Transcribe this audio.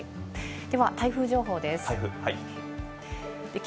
では、台風情報です。